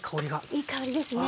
いい香りですね。